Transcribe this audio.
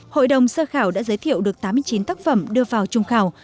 hội đồng sơ khảo đã giới thiệu được tám mươi chín tác phẩm đưa vào trung khảo